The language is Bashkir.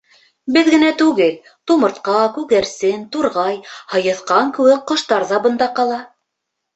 Беҙ генә түгел, тумыртҡа, күгәрсен, турғай, һайыҫҡан кеүек ҡоштар ҙа бында ҡала.